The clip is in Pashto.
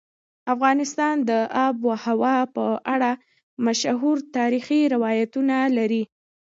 افغانستان د آب وهوا په اړه مشهور تاریخی روایتونه لري.